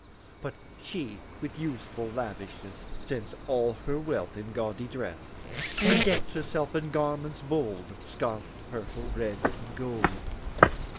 But she, with youthful lavishness, Spends all her wealth in gaudy dress, And decks herself in garments bold Of scarlet, purple, red, and gold.